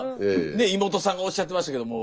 妹さんがおしゃってましたけども。